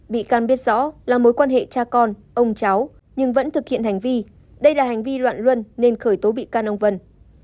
bị can biết rõ là mối quan hệ cha con ông cháu nhưng vẫn thực hiện hành vi đây là hành vi loạn luân nên khởi tố bị can ông vân